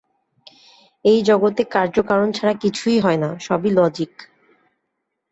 এই জগতে কার্যকারণ ছাড়া কিছুই হয় না, সবই লজিক।